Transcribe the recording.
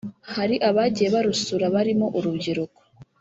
Hari abagiye barusura barimo urubyiruko